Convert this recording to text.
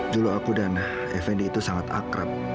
dulu aku dan effendi itu sangat akrab